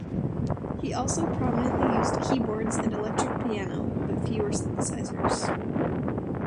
He also prominently used keyboards and electric piano but fewer synthesizers.